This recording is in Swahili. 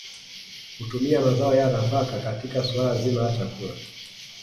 Hutumia mazao ya nafaka katika suala zima la chakula